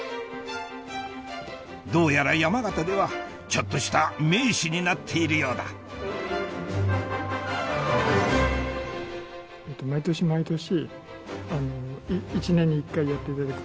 どうやら山形ではちょっとした名士になっているようだ毎年毎年。